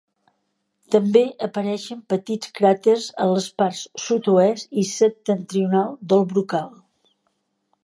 També apareixen petits cràters en les parts sud-oest i septentrional del brocal.